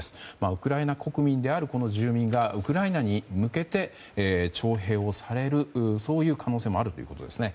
ウクライナ国民である住民がウクライナに向けて徴兵をされる可能性もあるということです。